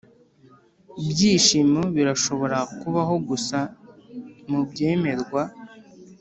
byishimo birashobora kubaho gusa mubyemerwa.